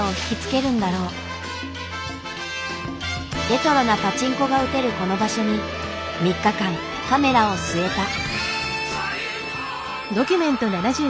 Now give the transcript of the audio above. レトロなパチンコが打てるこの場所に３日間カメラを据えた。